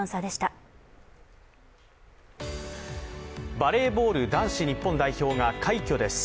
バレーボール男子日本代表が快挙です。